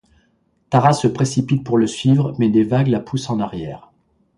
Tara se précipite pour le suivre, mais des vagues la poussent en arrière.